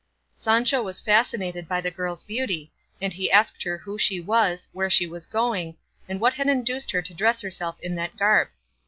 Sancho was fascinated by the girl's beauty, and he asked her who she was, where she was going, and what had induced her to dress herself in that garb.